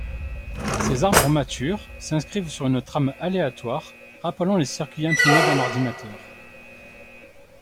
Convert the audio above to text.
Ces arbres matures s’inscrivent sur une trame aléatoire rappelant les circuits imprimés d’un ordinateur.